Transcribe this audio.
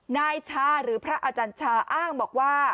นายชาหรือพระอาจารย์ชาอ้างบอกว่า